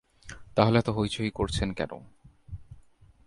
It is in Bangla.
তাহলে এত হৈচৈ করছেন কেন?